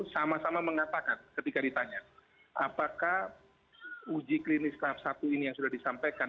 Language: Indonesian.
sama sama mengatakan ketika ditanya apakah uji klinis tahap satu ini yang sudah disampaikan